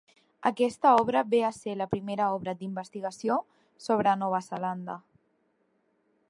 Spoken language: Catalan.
Aquesta obra ve a ser la primera obra d'investigació sobre Nova Zelanda.